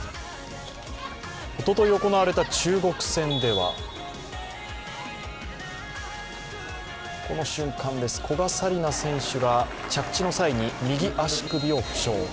おととい行われた中国戦ではこの瞬間です、古賀紗理那選手が着地の際に右足首を負傷。